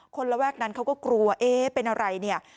ระแวกนั้นเขาก็กลัวเอ๊ะเป็นอะไรเนี่ย